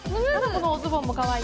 このおズボンもかわいい。